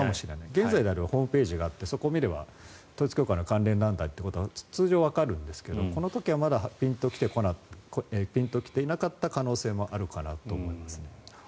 現在であればホームページがあってそこを見れば統一教会の関連団体ということが通常わかるんですがこの時はまだピンと来ていなかった可能性もあるかなと思います。